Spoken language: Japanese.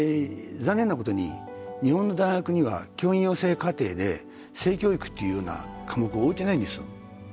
残念なことに日本の大学には教員養成課程で性教育っていうような科目を置いてないんです。